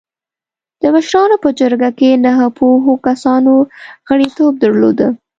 د مشرانو په جرګه کې نهه پوهو کسانو غړیتوب درلوده.